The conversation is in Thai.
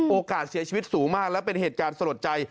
เสียชีวิตสูงมากและเป็นเหตุการณ์สลดใจ